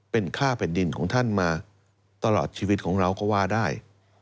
เป็นค่าแผ่นดินของท่านมาตลอดชีวิตของเราก็ว่าได้